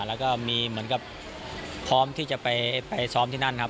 แล้วก็มีเหมือนกับพร้อมที่จะไปซ้อมที่นั่นครับ